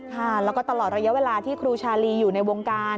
ค่ะแล้วก็ตลอดระยะเวลาที่ครูชาลีอยู่ในวงการ